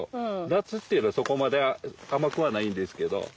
夏っていうのはそこまで甘くはないんですけど。